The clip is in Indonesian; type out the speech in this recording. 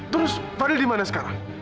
terus fadil dimana sekarang